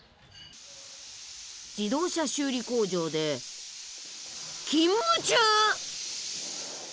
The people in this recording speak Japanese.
自動車修理工場で勤務中！